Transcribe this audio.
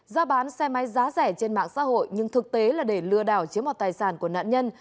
gia bán xe máy giá rẻ trên mạng xã hội nhưng thực tế là để lừa đảo chiếm mọt tài sản của nạn nhân